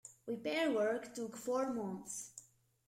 Repair work took four months.